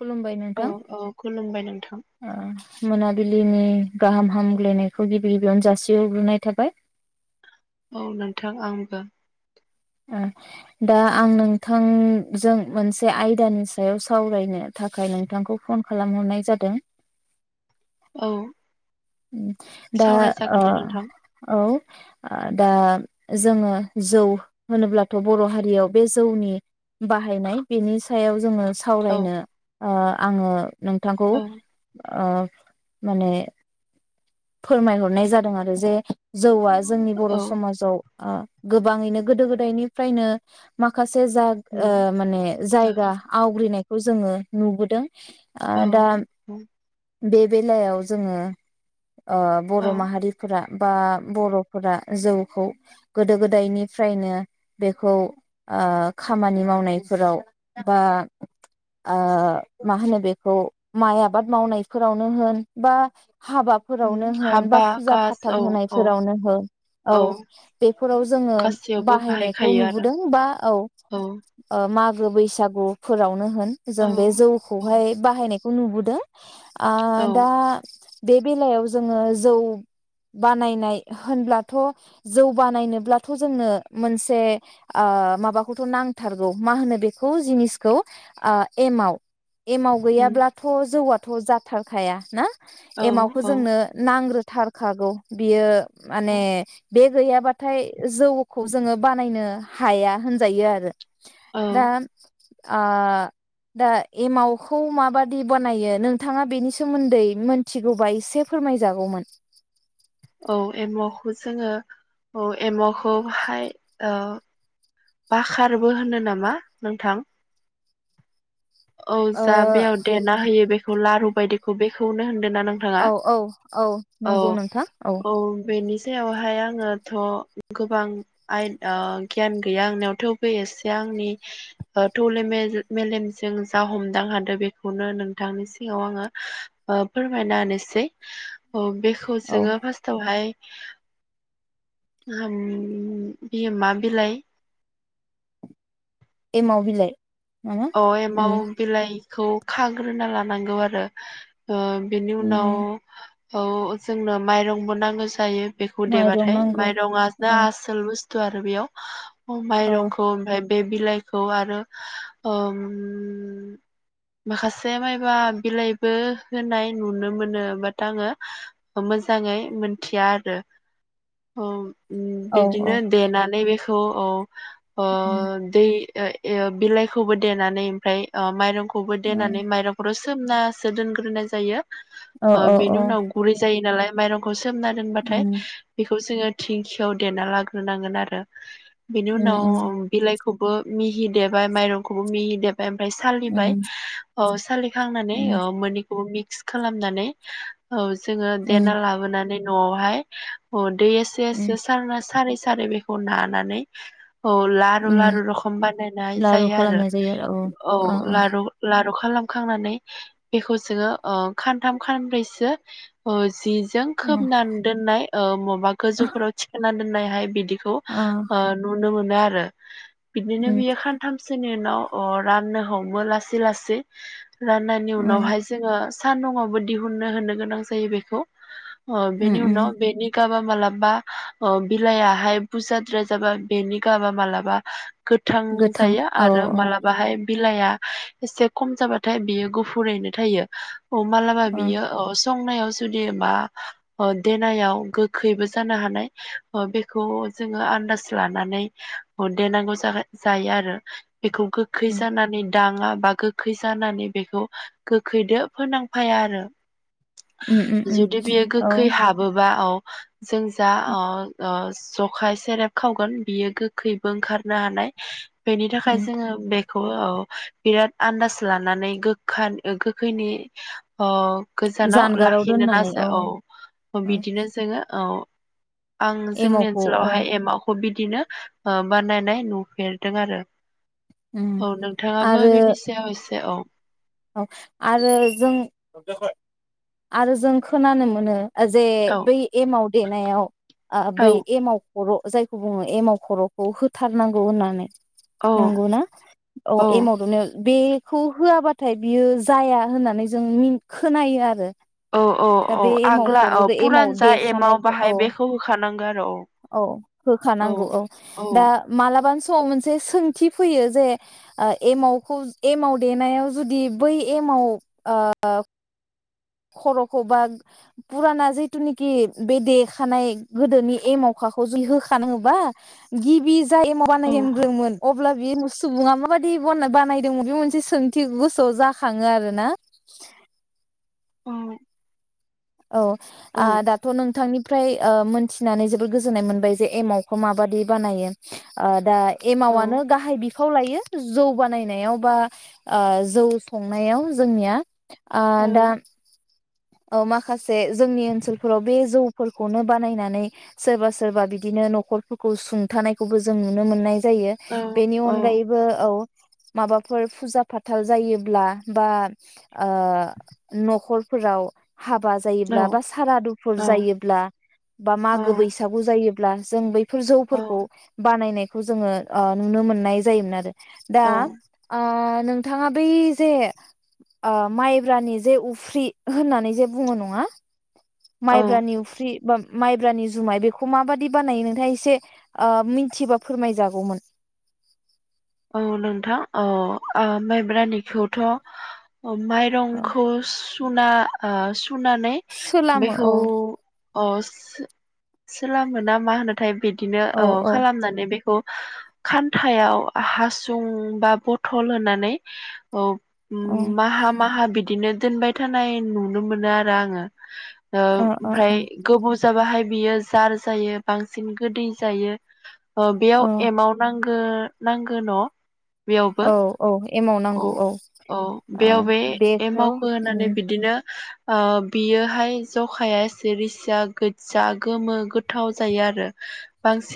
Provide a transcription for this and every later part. खुलुमबाय औ नोंथां औ खुलुमबाय नोंथां ओ मोना बिलिनि गाहाम हामग्लायनायखौ गिबि गिबियावनो जासिहरग्रोनाय थाबाय औ नोंथां आंबो दा आं नोंथांजों मोनसे आयदानि सायाव सावरायनो थाखाय नोंथांखौ फन खालामहरनाय जादों औ उम दा सावराय ओ जागोन दे नोंथां औ आ दा जोङो जौ होनोब्लाथ' बर' हारियाव बे जौनि बाहायनाय बेनि सायाव जोङो औ सावरायनो ओ आङो नोंथांखौ औ ओ माने फोरमायहरनाय जादों आरो जे जौआ जोंनि बर' औ समाजाव गोबाङैनो गोदो गोदायनिफ्रायनो माखासे उम औ जायगा आवग्रिनाय खौ जोङो नुबोदों ओ दा औ बे बेलायाव जोङो औ बर' माहारिफोरा बा बर'फोरा जौखौ गोदो गोदायनिफ्रायनो बेखौ खामानि मावनायफोराव बा मा होनो बेखौ माइ आबाद मावनायफोरावनो होन बा हाबा फोरावनो उम होन बा हाबा फुजा कास फाथाल औ औ होनायफोरावनो होन औ बेफोराव जोङो गासैयावबो बाहायनायखौ बाहायखायो आरो नुबोदों बा औ मा मागो बैसागुफोरावनो होन औ जों बे औ जौखौहाय बाहायनायखौ खौ नुबोदों आ औ दा बे बेलायाव जोङो जौ बानायनाय होनब्लाथ' जौ बानायनोब्लाथ' जोंनो मोनसे माबाखौथ' नांथारगौ मा होनो बेखौ जिनिसखौ एमाव एमाव उम गैयाब्लाथ' जौवा थ जाथारखाया ना औ खौ औ जोंनो नांग्रो थारखागौ बियो माने बे गैयाबाथाय जौ खौ जोङो बानायनो हाया होनजायो आरो औ दा दा एमावखौ माबादि बानायो नोंथाङा बेनि सोमोन्दै मोनथिगौबा एसे एसे फोरमायजागौमोन औ एमावखौ जोङो औ एमावखौहाय बाकारबो होनो नामा नोंथां औ ओ जा बेयाव देना होयो बेखौ लारु बायदिखौ बे बेखौनो ना नोंथाङा औ औ औ नंगौ नोंथां औ बेयावहाय आङोथ' गोबां आइन गियान गैया आंनियाव थेवबो एसे आंनि थौले मेलेमजों जों जा हमदां हादों बेखौनो नोंथांनि सिगाव आङो फोरमायना होनोसै औ बेखौ जोङो फार्स्टावहाय बियो मा बिलाइ एमाव‌ बिलाइ नामा अ एमाव बिलाइ खौ खाग्रोना लानांगौ आरो ओ बेनि उनाव उम औ जोंनो माइरंबो नांगौ जायो बेखौ माइरं देबाथाय नांगौ माइरंआ जा ओ आसोल बुस थ' आरो बेयाव अ औ माइरंखौ ओमफाय बे बिलाइखौ आरो ओम माखासे मायबा बिलाइबो होनाय नुनो मोनो बाट आङो मोजाङै मोनथिया आरो ओम उम औ बिदिनो देनानै बेख थ औ ओ दै ए एओ बिलाइ खौबो देनानै ओमफ्राय ओ माइरं देनानै मायरंखौथ सु सोमनासो दोनग्रोनाय जायो ओ औ बेनि औ उनाव गुरै जायो नालाय माइरंखौ सु सोमना दोनबाथाय उम बेखौ जोङो थिंखियाव देना लाग्रोनांगोन आरो बिनि उम उनाव उम बिलाइ खौबो मिहि देबाय माइरं खौबो मिहि दे फ्राय ओमफ्राय सालिबाय उम औ सालि खांनानै उम अ मोननै बो मिक्स खालामनानै औ जोङो उम देना लाबोनानै न'आवहाय अ दै एसे उम एसे सारना सारै स सारै बेखौ नानानै औ लारु उम लारु रखम बानायनाय लारु जायो आरो खालामनाय जायो औ अ अ लारु खालामखांनानै बेखौ जोंङो ओ खानथाम खानब्रैसो ओ जि जों खोबनानै दोननाय ओ मबा अ गोजौफोराव थिखोनानै होननायहाय बिदि खौ अ ओ नुनो मोन नो आरो बिदिनो उम बियो खानथामसोनि उन ओ राननो हमो लासै लासै राननायनि उम उनावहाय जोङो सानदुंआवबो दिहुननो होनो गोनां जायो बेखौ अ उम बेनि उम उनाव बेनि गाबा मालाबा ओ बिलाइआहाय बुरजाद्राय जाबा बेनि गाबा मालाबा गोथां जायो आ रो मालाबाहाय औ बिलाइआ एसे खम जाबाथाय बियो गुफुरैनो थायो औ मालाबा उम बियो औ संनायाव जुदि बा ओ देनायाव गोखैबो जानो हानाय ओ बेखौ जोङो आन्दाज लानानै देनांगौ जायो आरो बेखौ गोखै उम जानानै दाङा बा गोखै जानानै बेखौ गोखैदो फोनांफाया आरो उम उम उम जुदि बियो औ गोखै हाबोबा औ जों जा ओ ओ जखाय सेरेब खावगोन बियो गोखैबो ओंखारनो हानाय बेनि थाखाय उम जोङो बेखौ औ बिराद आन्दाज लानानै गोखा ओ गोखैनि ओ गोजानाव जानगाराव लाखिनो दोननानै नाजा औ औ औ बिदिनो जोङो औ आं जोंनि एमावखौ औ ओनसोलावहाय एमावखौ बि दिनो बानायनाय नुफेरदों आरो उम औ नोंथाङाबो आरो बेनि सायाव एसे औ औ आरो जों आरो जों खोनानो मोनो जे औ बै एमाव देनायाव ओ बै औ एमाव खर' जायखौ बुङो एमाव खर'खौ होथारनांगौ होननानै औ नंगौना औ एमाव देनायाव बेखौ होआबा थाय बियो जाया होननानै जों मि खोनायो आरो औ औ दा औ बे एमाव आग्ला औ खर'जों एमाव पुरान जा एमाव देखानायखौ बाहाय औ बेखौ होखानांगौ आरो औ औ औ दा मालाबानि समाव मोनसे सोंथि फैयो जे ओ एमावखौ एमाव देनायाव जुदि बै एमाव ओ खर'खौ बा फुराना जिथुनिखि बे देखानाय गोदोनि एमावखाखौ जुदि होखानोबा गिबि जाय एमाव औ बानाजेनग्रोयोमोन अ अब्ला बे सुबुङा माबादि बानायदोंमोन बे मोनसे सोंथि गोसोआव जाखाङो आरोना औ औ औ दाथ' नोंथांनि ओमफ्राय मोनथिनानै जोबोद गोजोननाय मोनबाय जे एमावखौ माबादि बानायो दा औ एमावनो गाहाय बिफाव खौ लायो जौ बानायनायाव बा जौ संनायाव जोंनिया आ दा औ औ माखासे जोंनि ओनसोलफोराव बे जौफोरखौनो बानायनानै सोरबा सोरबा बिदिनो न'खरफोरखौ सुंथानायखौबो जों नुनो मोननाय जायो औ बेनि औ अनगायैबो औ माबाफोर फुजा फाथाल जायोब्ला बा न'खरफोराव हाबा जायोब्ला औ बा सारादुफुर जायोब्ला बा मागो बैसागु जायो ग्ला जों बै जौफोरखौ बानायनाय खौ जोङो नुनो मोननाय जायोमोन आरो दा औ आ नोंथाङा बै जे माइब्रानि जे उफ्रि होननानै जे बुङो नङा औ माइब्रा नि अफ्रि बा माइब्रानि जुमाय बेखौ माबादि बानायो नोंथाङा एसे मिथिबा फोरमायजागौमोन औ नोंथां औ माइब्रानिखौथ' औ माइरंखौ सुना ओ सुनानै सोलामो बेखौ औ अ सो सोलामो ना होनोथाय बिदि औ बिदिनो औ खालामनानै बेखौ खान्थायाव हासुं बा बथल होनानै ओ माहा माहा बिदिनो दोनबाय थानाय नुनो मोनो आरो आङो ओ ओमफ्राय ओ गोबाव जाबाहाय बियो जार जायो बांसिन गोदै जायो बेयाव एमाव नांगौ ओ नांगो न बेयावबो औ औ एमाव औ नांगौ औ ओ बेयाव बे बेखौ एमावखो होनानै उम बिदिनो ओ बियोहाय जखाया एसे रिसिया गोज्जा गोमो गोथाव जायो आरो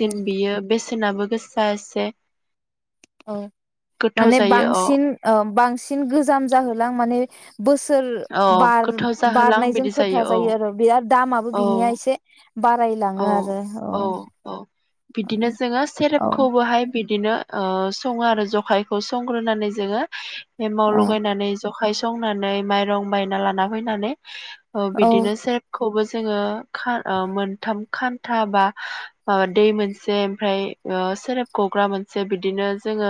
औ बियो बेसे सेनाबो गोसा इसे औ माने अ बांसिन ओ बांसिन बांसिन गोजाम जाहोलां माने बोसोर अ बार गोथाव जाहोलां बारनायजों बिदि खोथा औ जायो आरो बिराद दामाबो औ बिनिया एसे औ बारायलाङो आरो औ औ बिदिनो जोङो औ सेरेबखौबोहाय बिदिनो ओ सङो आरो जखायखौ संग्रोनानै जोङो एमाव औ लगायनानै जखाय संनानै माइ रं बायना लाना फैनानै औ बिदिनो सेरेबखौबो जोङो मोनथाम खान्था बा माबा दै मोनसे ओमफ्राय सेरेब गग्रा मोनसे बिदिनो जोङो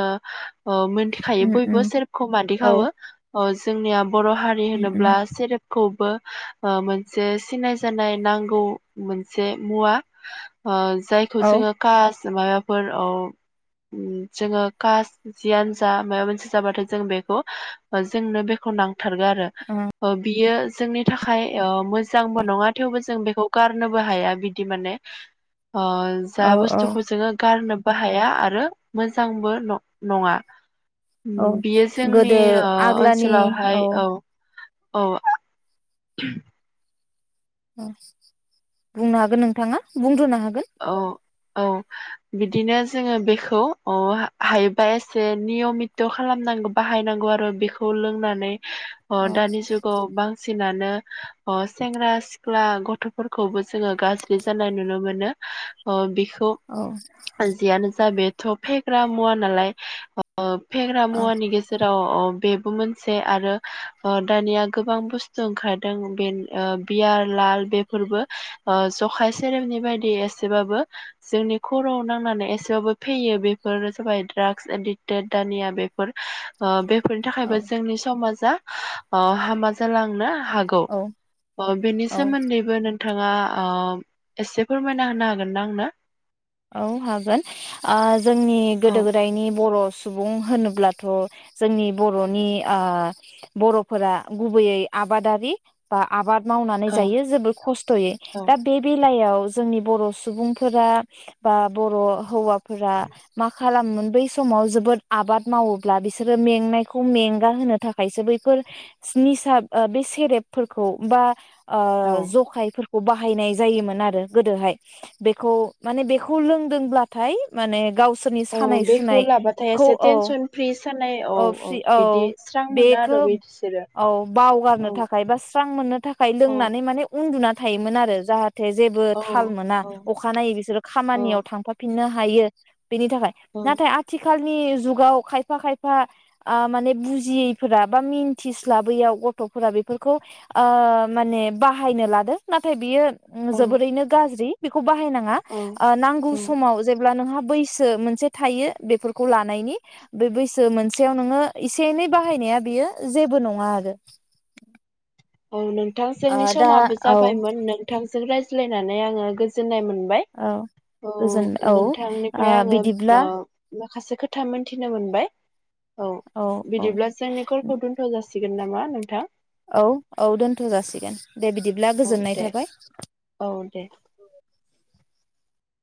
मोनथिखायो उम बयबो उम सेरेबखौ मादि औ खावो अ जोंनिया बर' उम उम होनोब्ला सेरेबखौबो ओ मोनसे सिनाय जानाय नांगौ मोनसे मुवा ओ जायखौ औ जोङो कास माबाफोर औ जोङो कास जियानो जा माबा मोनसे जाबाथाय जों बेखौ जोंनो बेखौ नांथारगो आरो उम ओ बियो जोंनि थाखाय ओ मोजांबो नङा थेवबो जों बेखौ गारनोबो हाया बिदि माने अ जा औ औ बुस्थुखौ जोङो गारनो बो हाया आरो मोजांबो नङा औ बियो जोंनि गोदो आग्लानि ओनसोलावहाय औ अ ओं बुंनो हागोन नोंथाङा बुंग्रोननो हा औ औ बिदिनो जोङो बेखौ अ हायोबा एसे नियमित खालामनांगौ बाहायनांगौ आरो बेखौ लोंनानै अ औ दानि जुगाव बांसिन नानो सेंग्रा सिख्ला गथफोरखौबो जोङो गाज्रि जानाय नुनो मोनो अ बिखौ औ जियानो जा बेखौ थ फेग्रा मुवा नालाय ओ फेग्रा औ मुवानि गेजेराव अ बेबो मोनसे आरो ओ दानिया गोबां बुस्थु ओंखारदों बे बियार लाल बेफोरबो जखाय सेरेबनि बायदि एसेबाबो जोंनि खर'आव नांनानै एसेबाबो फैयो बेफोर जाबाय ड्राग्स एडिक्टेड दानिया बेफोर बेफोरनि थाखायबो औ जोंनि समाज दा ओ हामा जालांनो हागौ औ बेनि औ सोमोन्दैबो नों नोंथाङा ओ एसे फोरमायना होनो हागोन गोनदांं ना औ हागोन ओ जोंनि औ गोदो गोदायनि बर' सुबुं होनोब्लाथ' जोंनि बर'नि ओ बर'फोरा गुबैयै आबादारि बा आबाद मावनानै औ जायो जोबोर खस्थ'यै औ दा बे बे जिलायाव जोंनि बर' सुबुंफोरा बा बर' हौवा फोरा मा खा खालामोन बै समाव जोबोद आबाद मावोब्ला बिसोरो मेंनायखौ मेंगा होनो थाखायसो बैफोर निसा बे सेरेबफोरखौ बा ओ औ जखायफोर बाहायनाय जायोमोन आरो गोदोहाय बेखौ माने बेखौ बेखौ लोंदोंबाथाय माने गाव सोरनि औ सानाय बेखौ सुनाय लाबाथाय खौ एसे औ टेनसन फ्रि सानाय औ फ्रि बिदि औ स्रां मोनो बेखौ आरो बे बिसोरो औ बावगारनो औ थाखाय बा स्रां मोननो थाखाय औ लोंनानै माने उन्दुनानै थायोमोन आरो जाहाथ जेबो औ थाल मोना औ अखनायै बिसोरो औ खामानियाव थांफाफिन नो हायो बेनि थाखाय नाथाय आथिखालनि नि जुगाव खायफा खायफा माने बुजियैफोरा बा मिन्थिस्लाबैयाव गथ'फोरा बेफोरखौ ओ माने बाहायनो लादों नाथाय बियो औ जोबोरैनो गाज्रि बेखौ बाहायनां औ ओ नांगौ औ समाव जेब्ला नोंहा बैसो मोनसे थायो बेफोरखौ लानायनि बे बैसो मोनसे नोङो इसे एनै बाहायनाया बियो जेबो नङा आरो औ नों नोंथां ओ जोंनि दा समाबो औ जाबायमोन नोंथांजों राय रायज्लायनानै आङो गोजोननाय मोन मोनबाय औ गोजोन नों औ ओ नोंथांनिफ्राय आङो बिदिब्ला माखासे खोथा मोनथिनो मोनबाय औ बिदिब्ला जोंनि कलखौ दोनथ' जासि सिगोन नामा नोंथां औ औ दोनथ' जासिगोन दे बिदिब्ला औ गोजोननाय दे थाबाय औ दे